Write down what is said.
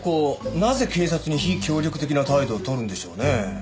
なぜ警察に非協力的な態度を取るんでしょうね？